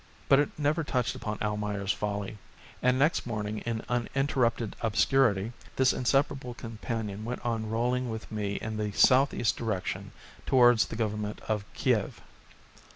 But it never touched upon "Almayer's Folly," and next morning, in uninterrupted obscurity, this inseparable companion went on rolling with me in the south east direction towards the Government of Kiev.